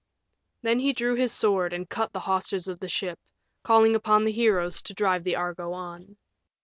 Then he drew his sword and cut the hawsers of the ship, calling upon the heroes to drive the Argo on.